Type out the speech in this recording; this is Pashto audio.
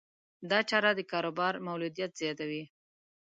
دا چاره د کاروبار مولدیت زیاتوي.